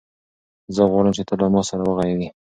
زه غواړم چې ته له ما سره وغږېږې.